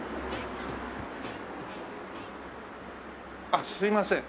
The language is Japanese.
あっすいません。